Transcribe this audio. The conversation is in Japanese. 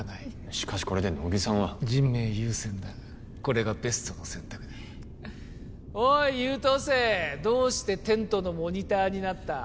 しかしこれで乃木さんは人命優先だこれがベストの選択だおい優等生どうしてテントのモニターになった？